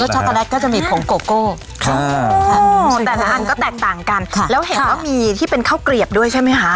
ช็อกโกแลตก็จะมีผงโกโก้แต่ละอันก็แตกต่างกันค่ะแล้วเห็นว่ามีที่เป็นข้าวเกลียบด้วยใช่ไหมคะ